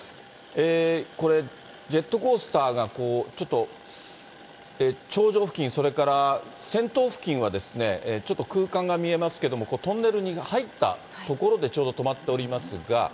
これ、ジェットコースターがこう、ちょっと頂上付近、それから先頭付近はちょっと空間が見えますけれども、トンネルに入った所でちょうど止まっておりますが。